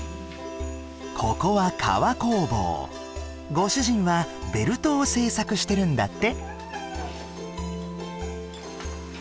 ご主人はベルトを製作してるんだって。